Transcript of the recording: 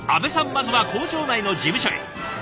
まずは工場内の事務所へ。